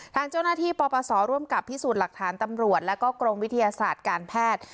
ทางเจ้าหน้าที่ปปศร่วมกับพิสูจน์หลักฐานตำรวจแล้วก็กรมวิทยาศาสตร์การแพทย์